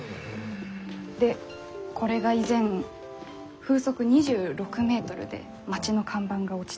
でこれが以前風速２６メートルで町の看板が落ちた写真です。